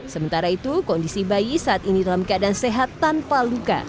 sementara itu kondisi bayi saat ini dalam keadaan sehat tanpa luka